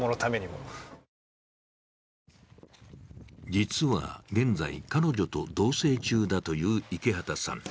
実は、現在彼女と同棲中だという池畑さん。